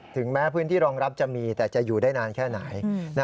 ถึงแม้พื้นที่รองรับจะมีแต่จะอยู่ได้นานแค่ไหน